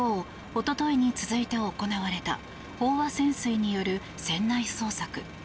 おとといに続いて行われた飽和潜水による船内捜索。